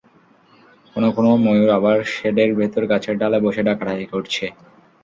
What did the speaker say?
কোনো কোনো ময়ূর আবার শেডের ভেতর গাছের ডালে বসে ডাকাডাকি করছে।